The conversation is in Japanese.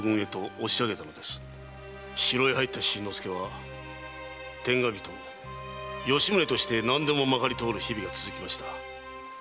城へ入った新之助は天下人・吉宗として何でもまかりとおる日々が続きました。